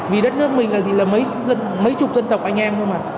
vì đất nước mình là mấy chục dân tộc anh em thôi mà